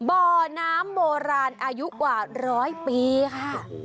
บ่อน้ำโบราณอายุกว่าร้อยปีค่ะ